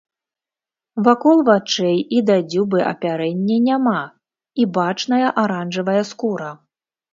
Вакол вачэй і да дзюбы апярэння няма і бачная аранжавая скура.